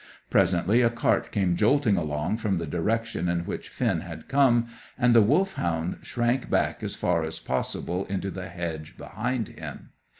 Presently a cart came jolting along from the direction in which Finn had come, and the Wolfhound shrank back as far as possible into the hedge behind him.